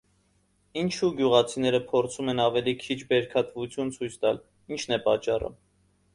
Ինչու՞ գյուղացիները փորձում են ավելի քիչ բերքատվություն ցույց տալ, ի՞նչն է պատճառը: